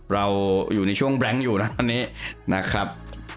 เราอยู่ในช่วงแบรงค์อยู่นะตอนนี้นะครับ